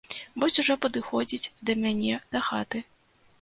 Вось ужо падыходзіць да мяне дахаты.